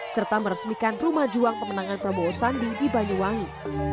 serta meresmikan rumah juang pemenangan prabowo sandi di banyuwangi